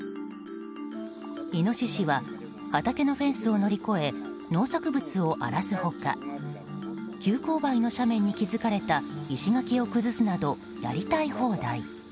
イノシシは畑のフェンスを乗り越え農作物を荒らす他急勾配の斜面に築かれた石垣を崩すなどやりたい放題。